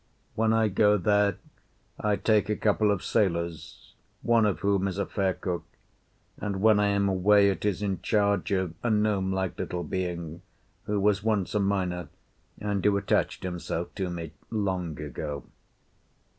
When I go there I take a couple of sailors, one of whom is a fair cook, and when I am away it is in charge of a gnome like little being who was once a miner and who attached himself to me long ago.